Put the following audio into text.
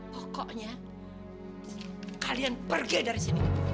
pokoknya kalian pergi dari sini